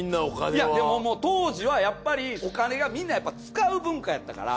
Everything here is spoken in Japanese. いやもう当時はやっぱりお金がみんな使う文化やったから。